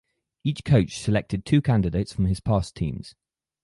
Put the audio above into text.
Each coach selected two candidates from his past teams.